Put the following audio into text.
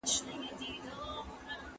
هغوی په کتابتون کې معلومات وموندل.